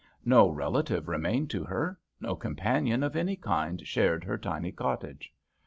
No relative remained to her, no companion of any kind shared her tiny cottage.